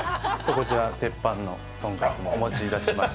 こちら、鉄板のとんかつもお持ちいたしました。